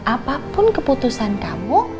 apapun keputusan kamu